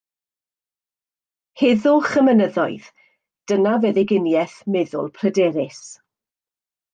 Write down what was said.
Heddwch y mynyddoedd, dyna feddyginiaeth meddwl pryderus.